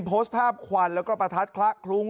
โพสต์ภาพควันแล้วก็ประทัดคละคลุ้ง